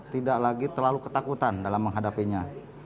tidak lagi terlalu ketakutan dalam menghadapinya